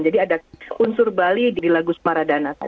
jadi ada unsur bali di lagu semaradana